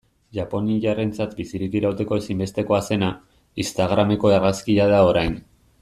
Japoniarrentzat bizirik irauteko ezinbestekoa zena, instagrameko argazkia da orain.